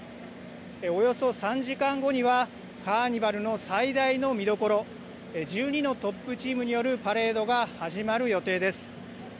およそ３時間後には、カーニバルの最大の見どころ、１２のトップチームによるパレードが始まる予定です。